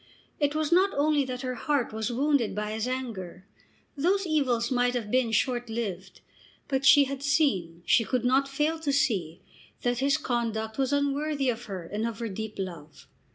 It was not only that her heart was wounded by his anger. Those evils might have been short lived. But she had seen, she could not fail to see, that his conduct was unworthy of her and of her deep love.